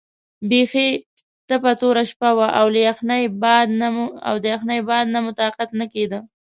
بیخي تپه توره شپه وه او له یخنۍ باد نه مو طاقت نه کېده.